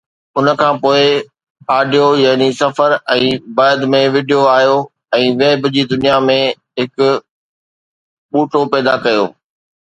ان کان پوءِ آڊيو يعني سفر ۽ بعد ۾ وڊيو آيو ۽ ويب جي دنيا ۾ هڪ ٻوٽو پيدا ڪيو